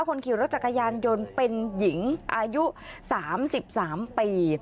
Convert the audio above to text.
คนขี่รถจักรยานยนต์เป็นหญิงอายุ๓๓ปี